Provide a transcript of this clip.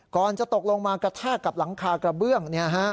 ก่อนจะตกลงมากระแทกกับหลังคากระเบื้อง